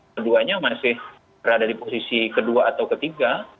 keduanya masih berada di posisi kedua atau ketiga